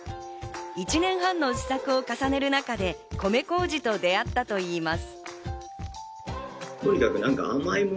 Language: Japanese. １年半の試作を重ねる中で米麹と出合ったといいます。